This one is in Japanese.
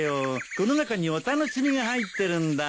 この中にお楽しみが入ってるんだ。